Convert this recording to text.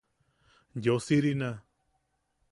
Yosirina.